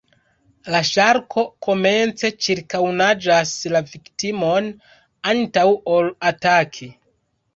La ŝarko komence ĉirkaŭnaĝas la viktimon, antaŭ ol ataki.